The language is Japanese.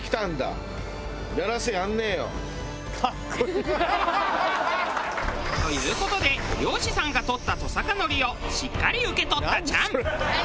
一応ハハハハ！という事で漁師さんが獲ったトサカノリをしっかり受け取ったチャン。